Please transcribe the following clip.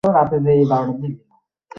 তুমি কি এখন সাহিত্য সমালোচক হয়ে গেছ?